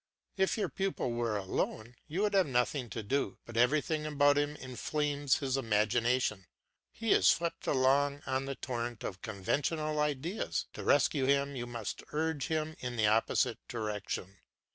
If your pupil were alone, you would have nothing to do; but everything about him enflames his imagination. He is swept along on the torrent of conventional ideas; to rescue him you must urge him in the opposite direction.